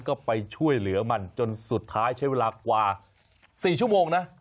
ก็ไปช่วยเหลือมันจนสุดท้ายใช้เวลากว่า๔ชั่วโมงนะ